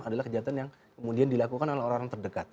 adalah kejahatan yang kemudian dilakukan oleh orang orang terdekat